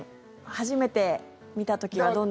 初めて見た時はどんな。